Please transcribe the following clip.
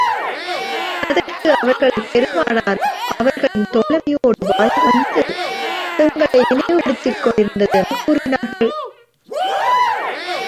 அதற்கு அவர்கள், பெருமானார் அவர்களின் தோழமையோடு வாழ்ந்து வந்தது எங்களை நினைவு படுத்திக் கொண்டிருந்தது என்று கூறினார்கள்.